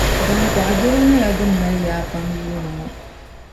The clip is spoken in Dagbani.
Gbaŋkɔɣu doro nyɛla din mali yaa pam yuuni ŋɔ.